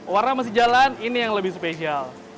warna masih jalan ini yang lebih spesial